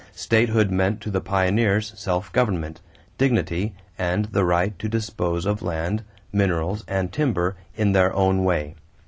Statehood meant to the pioneers self government, dignity, and the right to dispose of land, minerals, and timber in their own way.